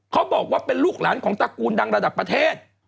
เขาบอกว่าเป็นลูกหลานของตระกูลดังระดับประเทศ